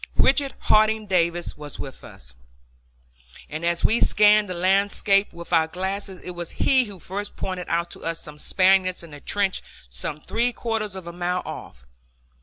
Richard Harding Davis was with us, and as we scanned the landscape with our glasses it was he who first pointed out to us some Spaniards in a trench some three quarters of a mile off.